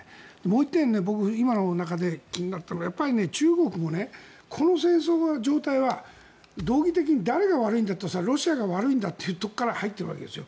もう１点、僕今の中で気になったのが中国もこの戦争の状態は道義的に誰が悪いんだとしたらロシアが悪いんだというところから入っているわけです。